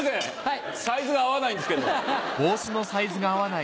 サイズが合わないんですけど。